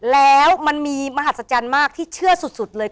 แล้วมันมีมหัศจรรย์มากที่เชื่อสุดเลย